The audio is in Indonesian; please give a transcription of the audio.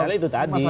ya misalnya itu tadi